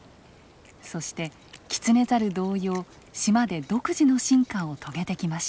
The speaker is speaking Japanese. そしてキツネザル同様島で独自の進化を遂げてきました。